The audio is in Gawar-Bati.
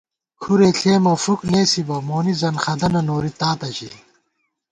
کُھرےݪېمہ فُک نېسِبہ مونی زنخدَنہ نوری تاتہ ژِی